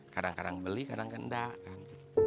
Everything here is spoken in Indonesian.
kadang kadang beli kadang kadang enggak kan